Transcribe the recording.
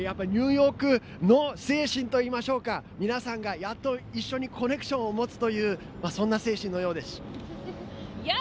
やっぱりニューヨークの精神といいましょうか皆さんが、やっと一緒にコネクションを持つというそんな精神のようです。